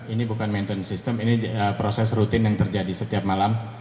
ini bukan maintenance system ini proses rutin yang terjadi setiap malam